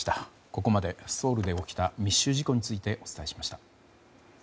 ここまでソウルで起きた密集事故についてお伝えしました。